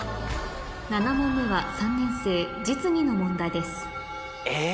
７問目は３年生実技の問題ですえ。